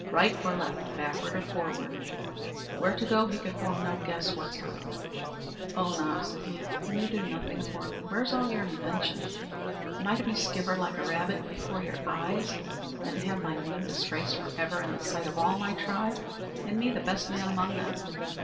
Right or left backward or forward where to go he could form no guess whatsoever. "Oonagh," said he, "can you do nothing for me? Where's all your invention? Am I to be skivered like a rabbit before your eyes, and to have my name disgraced for ever in the sight of all my tribe, and me the best man among them?